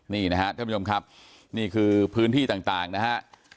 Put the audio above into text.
นี่นะครับท่านผู้ชมครับนี่คือพื้นที่ต่างนะฮะ